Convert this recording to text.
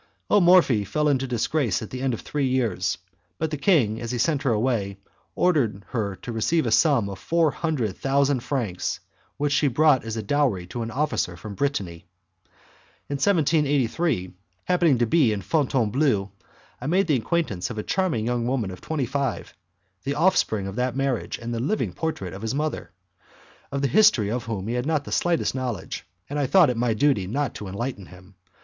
O Morphi fell into disgrace at the end of three years, but the king, as he sent her away, ordered her to receive a sum of four hundred thousand francs which she brought as a dowry to an officer from Britanny. In 1783, happening to be in Fontainebleau, I made the acquaintance of a charming young man of twenty five, the offspring of that marriage and the living portrait of his mother, of the history of whom he had not the slightest knowledge, and I thought it my duty not to enlighten him.